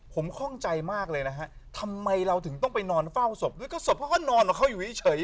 ผมคล่องใจมากเลยนะฮะทำไมเราถึงต้องไปนอนเฝ้าศพด้วยก็ศพเพราะเขานอนกับเขาอยู่เฉย